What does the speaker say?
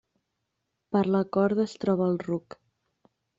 Per la corda es troba el ruc.